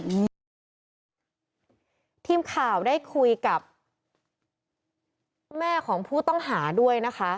แม่ของผู้ต้องหาด้วยนะคะ